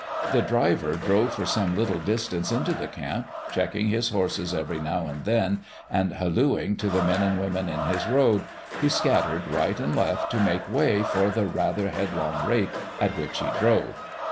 The driver drove for some little distance into the camp, checking his horses every now and then and hallooing to the men and women in his road, who scattered right and left to make way for the rather headlong rate at which he drove.